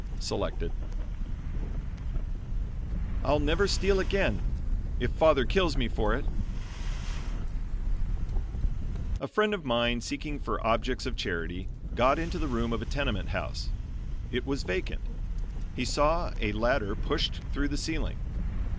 Selected. "I'LL NEVER STEAL AGAIN IF FATHER KILLS ME FOR IT" A friend of mine, seeking for objects of charity, got into the room of a tenement house. It was vacant. He saw a ladder pushed through the ceiling.